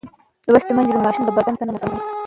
لوستې میندې د ماشوم د بدن ساتنه مهم ګڼي.